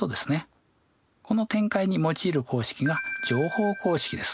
この展開に用いる公式が乗法公式です。